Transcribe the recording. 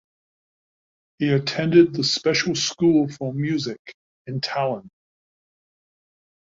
He attended the special school for music in Tallinn.